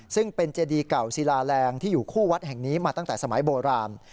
ซึ่งเป็นเจดีเก่าศิลาแรงที่อยู่คู่วัดแห่งนี้มาตั้งแต่สมัยโบราณ